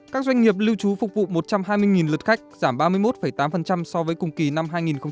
các doanh nghiệp lưu trú phục vụ một trăm hai mươi lượt khách giảm ba mươi một tám so với cùng kỳ năm hai nghìn một mươi chín